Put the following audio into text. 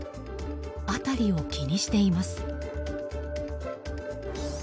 辺りを気にしています。